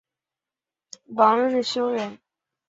王日休人。